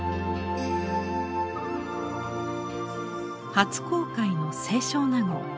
初公開の「清少納言」。